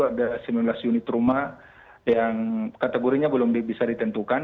ada simulasi unit rumah yang kategorinya belum bisa ditentukan